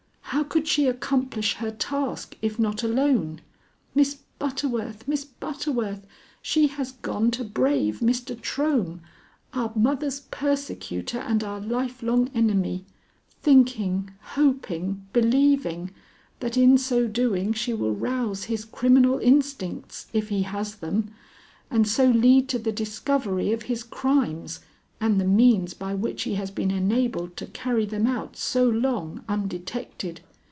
How could she accomplish her task if not alone? Miss Butterworth, Miss Butterworth, she has gone to brave Mr. Trohm, our mother's persecutor and our life long enemy, thinking, hoping, believing that in so doing she will rouse his criminal instincts, if he has them, and so lead to the discovery of his crimes and the means by which he has been enabled to carry them out so long undetected.